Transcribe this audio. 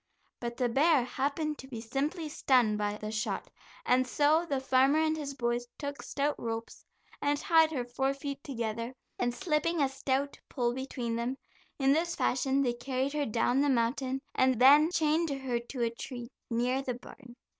But the bear happened to be simply stunned by the shot, and so the farmer and his boys took stout ropes and tied her four feet together and slipping a stout pole between them, in this fashion they carried her down the mountain, and then chained her to a tree near the barn.